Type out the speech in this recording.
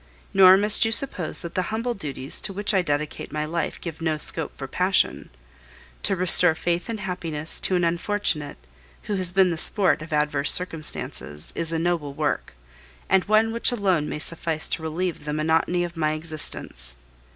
Nor must you suppose that the humble duties to which I dedicate my life give no scope for passion. To restore faith in happiness to an unfortunate, who has been the sport of adverse circumstances, is a noble work, and one which alone may suffice to relieve the monotony of my existence.